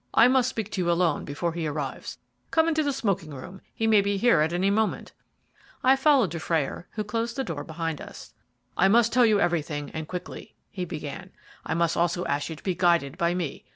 "I must speak to you alone before he arrives. Come into the smoking room; he may be here at any moment." I followed Dufrayer, who closed the door behind us. "I must tell you everything and quickly," he began, "and I must also ask you to be guided by me.